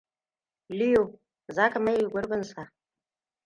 Leo za ka maye gurbinsa?